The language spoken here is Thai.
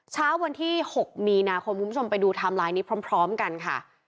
เช้าวันที่๖มีนาคมคุณผู้ชมไปดูไทม์ไลน์นี้พร้อมกันค่ะ